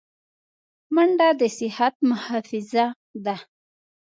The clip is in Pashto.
منډه د صحت محافظه ده